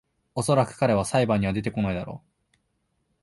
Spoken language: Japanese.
おそらく彼は裁判には出てこないだろ